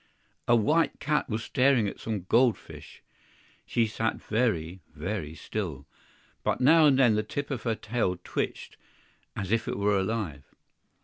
A white cat was staring at some gold fish; she sat very, very still, but now and then the tip of her tail twitched as if it were alive.